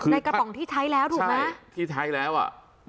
ในกระป๋องที่ไทยแล้วถูกไหม